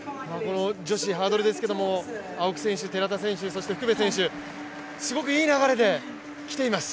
女子ハードルですけども、青木選手、寺田選手、福部選手、すごくいい流れで来ています。